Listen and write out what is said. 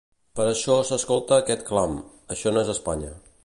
Per això s'escolta aquest clam: això no és Espanya.